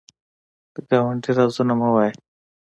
د ګاونډي رازونه مه وایه